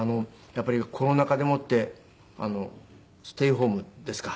やっぱりコロナ禍でもってステイホームですか。